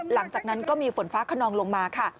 หลังจากนั้นก็มีฝนฟ้าขนองลงมาค่ะ